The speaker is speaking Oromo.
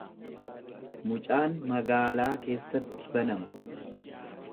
Mucaan magaalaa keessatti banama.